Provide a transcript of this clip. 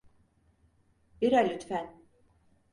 Bira lütfen.